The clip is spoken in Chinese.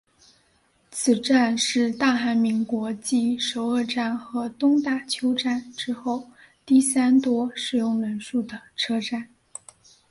此站是大韩民国继首尔站和东大邱站之后第三多使用人数的车站。